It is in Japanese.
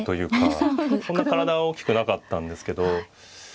そんな体は大きくなかったんですけど。